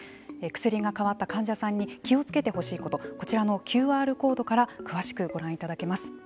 薬が変わった患者さんに気をつけてほしいことこちらのＱＲコードから詳しくご覧いただけます。